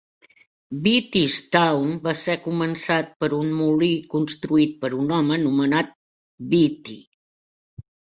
Beattystown va ser començat per un molí construït per un home anomenat Beatty.